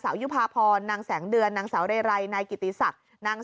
สาวยุภาพรนางแสงเดือร์นางสาวเรรัยนายกิตีสักนาง